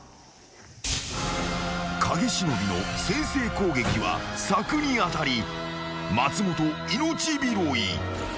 ［影忍の先制攻撃は柵に当たり松本命拾い］